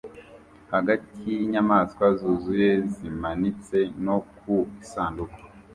hagati yinyamaswa zuzuye zimanitse no ku isanduku